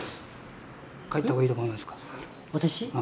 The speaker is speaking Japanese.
帰った方がいいと思いますか？